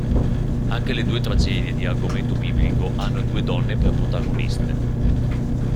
Anche le due tragedie di argomento biblico hanno due donne per protagoniste.